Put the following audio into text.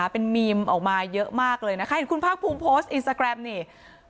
เป็นมีมออกมาเยอะมากเลยนะคะเห็นคุณภาคภูมิโพสต์อินสตาแกรมนี่